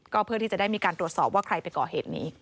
ก็เพื่อที่จะได้มีการตรวจสอบว่าใครไปก่อเหตุนี้